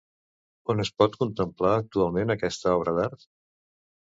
On es pot contemplar actualment aquesta obra d'art?